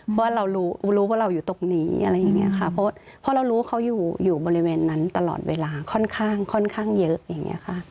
เพราะว่าเรารู้รู้ว่าเราอยู่ตรงนี้อะไรอย่างนี้ค่ะเพราะเรารู้ว่าเขาอยู่บริเวณนั้นตลอดเวลาค่อนข้างค่อนข้างเยอะอย่างนี้ค่ะ